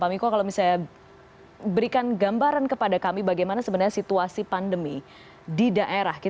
pak miko kalau misalnya berikan gambaran kepada kami bagaimana sebenarnya situasi pandemi di daerah